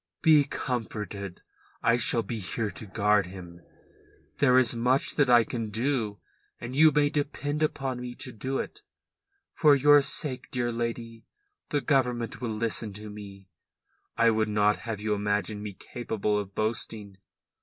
"Be comforted. I shall be here to guard him. There is much that I can do and you may depend upon me to do it for your sake, dear lady. The Government will listen to me. I would not have you imagine me capable of boasting.